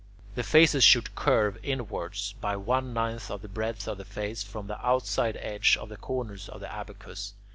The faces should curve inwards, by one ninth of the breadth of the face, from the outside edge of the corners of the abacus.